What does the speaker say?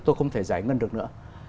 tôi không thể giải ngân được nữa